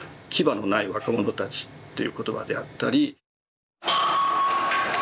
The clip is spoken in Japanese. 「牙のない若者たち」という言葉であったり。